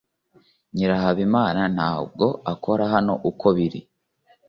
Nyirahabimana ntabwo akora hano uko biri